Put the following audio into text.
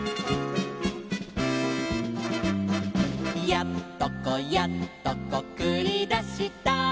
「やっとこやっとこくりだした」